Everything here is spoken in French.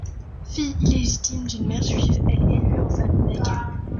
Fille illégitime d'une mère juive, elle est élevée en famille d'accueil.